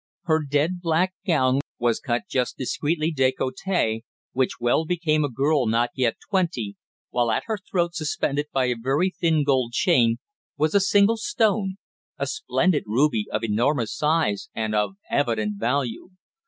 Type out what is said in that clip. Her dead black gown was cut just discreetly décolleté, which well became a girl not yet twenty, while at her throat, suspended by a very thin gold chain, was a single stone, a splendid ruby of enormous size, and of evident value.